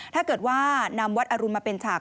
ถ้าเกิดว่านำวัดอรุณมาเป็นฉาก